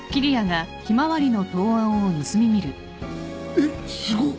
えっすごっ！